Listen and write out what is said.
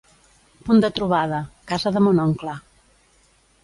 Punt de trobada: casa de mon oncle